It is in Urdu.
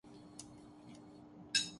یہ راستہ کدھر جاتا ہے